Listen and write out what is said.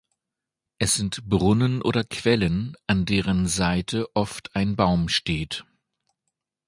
Es sind Brunnen oder Quellen, an deren Seite oft ein Baum steht.